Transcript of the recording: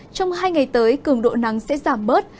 trong hai ngày tới cường độ nắng sẽ giảm bớt